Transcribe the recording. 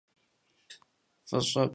F'ış'e fxuzoş'.